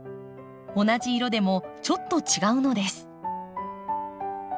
同じ色でもちょっと違うのです。